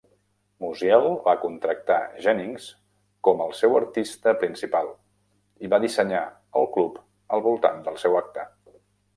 Musiel va contractar Jennings com el seu artista principal i va dissenyar el club al voltant del seu acte.